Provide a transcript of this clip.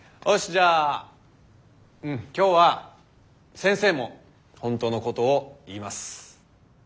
じゃあ今日は先生も本当のことを言います。